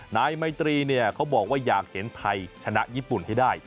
นายไมตรีเนี่ยเขาบอกว่าอยากเห็นไทยชนะญี่ปุ่นให้ได้